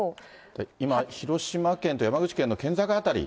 今、広島県と山口県の県境辺り。